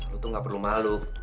lo tuh nggak perlu malu